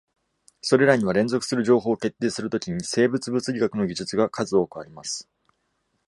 それらには連続する情報を決定するときに、生物物理学の技術が数多くあります。